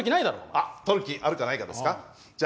あっ取る気あるかないかですか？